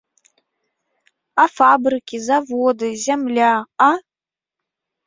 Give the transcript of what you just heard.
А фабрыкі, заводы, зямля, а?